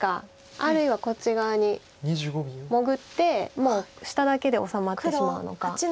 あるいはこっち側に潜ってもう下だけで治まってしまうのか。